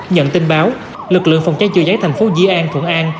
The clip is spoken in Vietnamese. nhận tin báo lực lượng phòng cháy chữa cháy thành phố dĩ an thuận an